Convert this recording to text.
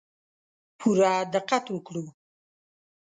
پوره دقت وکړو.